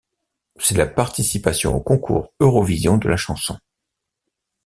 C'est la participation au Concours Eurovision de la chanson.